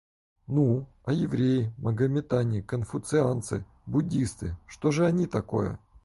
Ну, а евреи, магометане, конфуцианцы, буддисты — что же они такое?